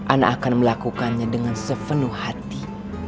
anak akan melakukannya dengan sepenuh hati